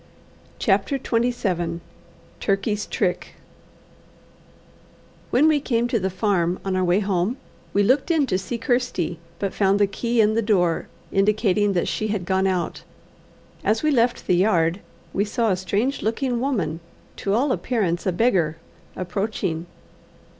CHAPTER XXVII Turkey's Trick When we came to the farm on our way home, we looked in to see Kirsty, but found the key in the door, indicating that she had gone out. As we left the yard, we saw a strange looking woman, to all appearance a beggar, approaching.